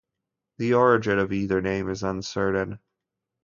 The origin of either name is uncertain.